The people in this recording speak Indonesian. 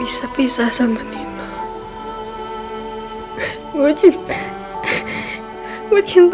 udah saatnya b je mingkaskan nino